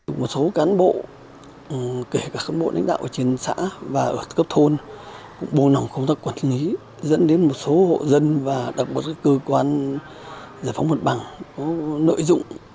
nguyên chủ tịch ủy ban nhân dân xã vật lại cùng một số cán bộ công chức đã có nhiều sai sót trong khâu giải phóng mặt bằng